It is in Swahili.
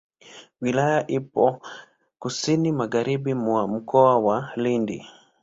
Wilaya ipo kusini magharibi mwa Mkoa wa Lindi.